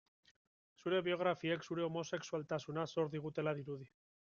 Zure biografiek zure homosexualtasuna zor digutela dirudi.